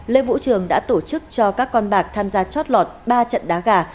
lê vũ trường đã tổ chức cho các con bạc tham gia chót lọt ba trận đá gà